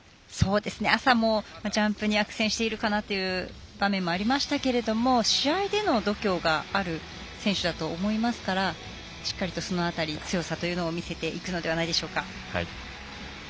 朝もジャンプには苦戦しているかなという場面もありましたけれども試合での度胸がある選手だと思いますからしっかりとその辺り強さというのを見せていくのではないでしょうか。